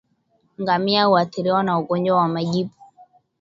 Ngamia huathiriwa na ugonjwa wa majipu